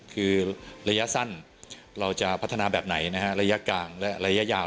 คือระยะสั้นเราจะพัฒนาแบบไหนนะฮะระยะกลางและระยะยาว